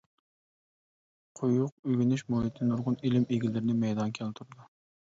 قويۇق ئۆگىنىش مۇھىتى نۇرغۇن ئىلىم ئىگىلىرىنى مەيدانغا كەلتۈرىدۇ.